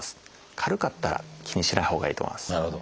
軽かったら気にしないほうがいいと思います。